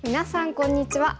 こんにちは。